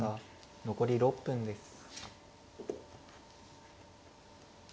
残り６分です。